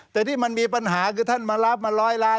แต่ที่มันมีปัญหาคือท่านมารับมาร้อยล้าน